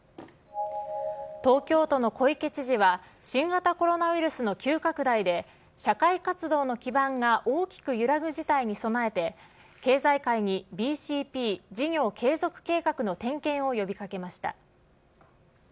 東京都の小池知事は、新型コロナウイルスの急拡大で、社会活動の基盤が大きく揺らぐ事態に備えて、経済界にＢＣＰ・事業継続計画の点検を呼びかけました。